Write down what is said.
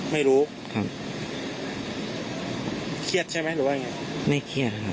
ไม่เครียดใช่ไหมหรือว่าไงไม่เครียดครับ